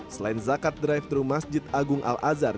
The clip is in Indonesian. selain zakat drive thru masjid agung al azhar